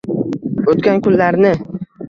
«O’tgan kunlar»ni